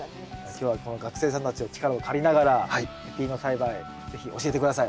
今日はこの学生さんたちの力を借りながらペピーノ栽培是非教えて下さい。